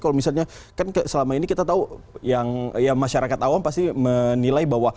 kalau misalnya kan selama ini kita tahu yang masyarakat awam pasti menilai bahwa